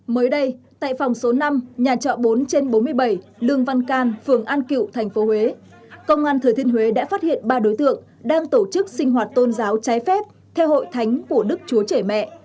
mới đây tại phòng số năm nhà trọ bốn trên bốn mươi bảy lương văn can phường an cựu tp huế công an thừa thiên huế đã phát hiện ba đối tượng đang tổ chức sinh hoạt tôn giáo trái phép theo hội thánh của đức chúa trẻ mẹ